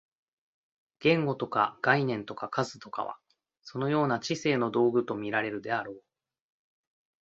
言語とか概念とか数とかは、そのような知性の道具と見られるであろう。